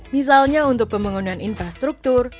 misalnya untuk pembangunan infrastruktur